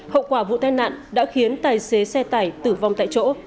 hậu quả vụ tai nạn đã khiến tài xế xe tải tử vong tại chỗ